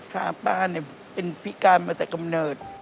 ป้าเป็นพิการมาแต่กำเนิด